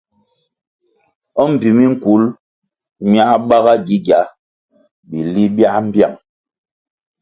Mbpi minkul miáh bágá gigia bili biáh mbiang.